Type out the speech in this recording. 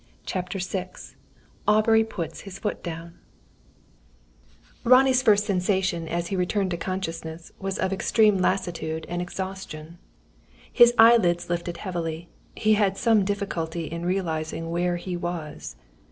CHAPTER VI AUBREY PUTS DOWN HIS FOOT Ronnie's first sensation as he returned to consciousness, was of extreme lassitude and exhaustion. His eyelids lifted heavily; he had some difficulty in realising where he was.